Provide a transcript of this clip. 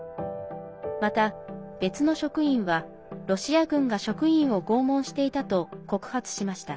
また、別の職員はロシア軍が職員を拷問していたと告発しました。